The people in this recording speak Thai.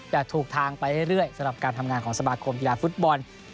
แต่ถูกทางไปเรื่อยสำหรับการทำงานของสมาคมกีฬาฟุตบอล